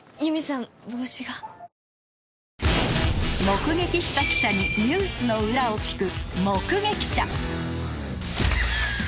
目撃した記者にニュースの裏を聞く